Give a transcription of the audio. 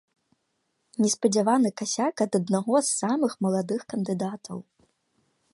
Неспадзяваны касяк ад аднаго з самых маладых кандыдатаў!